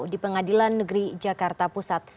di pengadilan negeri jakarta pusat